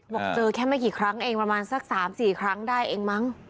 บอกเจอแค่ไม่กี่ครั้งเองประมาณสัก๓๔ครั้งได้เองมั้ง